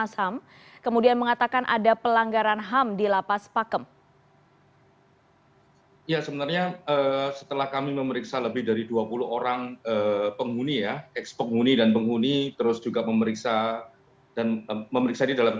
selamat malam apa kabar mbak putri